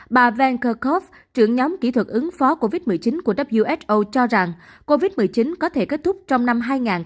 bà van kerkhove trưởng nhóm kỹ thuật ứng phó covid một mươi chín của who cho rằng covid một mươi chín có thể kết thúc trong năm hai nghìn hai mươi hai